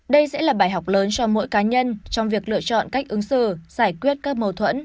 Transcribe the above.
đây sẽ là bài học lớn cho mỗi cá nhân trong việc lựa chọn cách ứng xử giải quyết các mâu thuẫn